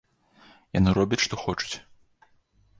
Яны робяць што хочуць!